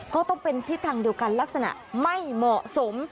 ก็ต้องเป็นทิศทางเดียวกันลักษณะไม่เหมาะสม